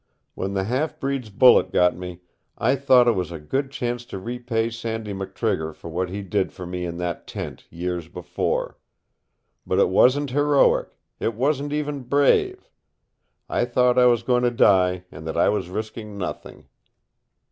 When the halfbreed's bullet got me, I thought it was a good chance to repay Sandy McTrigger for what he did for me in that tent years before. But it wasn't heroic. It wasn't even brave. I thought I was going to die and that I was risking nothing."